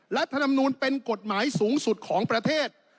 รัฐธรรมนูลเป็นกฎหมายสูงสุดของประเทศ